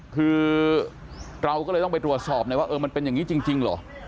คือเราก็เลยต้องไปตรวจสอบหน่อยว่าเออมันเป็นอย่างนี้จริงเหรอ